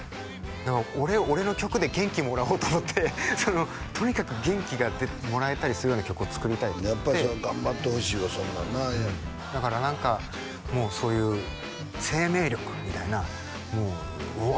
だから俺俺の曲で元気もらおうと思ってとにかく元気がもらえたりするような曲を作りたいと思ってやっぱりそれは頑張ってほしいわそれはなだから何かもうそういう生命力みたいなうわ！